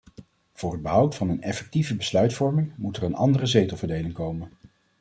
Voor het behoud van een effectieve besluitvorming moet er een andere zetelverdeling komen.